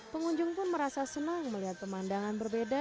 pengunjung pun merasa senang melihat pemandangan berbeda